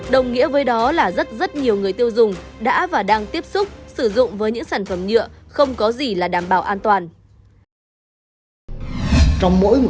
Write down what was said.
đồng nghĩa với đó là rất rất nhiều người tiêu dùng đã và đang tiếp xúc sử dụng với những sản phẩm nhựa và các sản phẩm từ nhựa tái chế ở đây được cung cấp ra thị trường mỗi ngày là vô cùng lớn